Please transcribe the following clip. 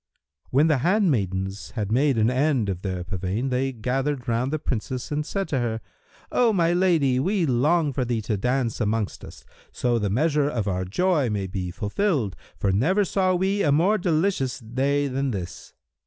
When the handmaidens had made an end of their pavane, they gathered round the Princess and said to her, "O my lady, we long for thee to dance amongst us, so the measure of our joy may be fulfilled, for never saw we a more delicious day than this."